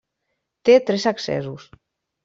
Té tres accessos.